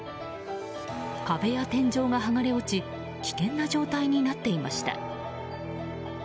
壁や天井が剥がれ落ち危険な状態になっていました。